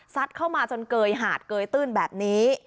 เข้ามาจนเกยหาดเกยตื้นแบบนี้